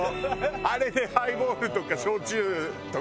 あれでハイボールとか焼酎とかでカーッてね。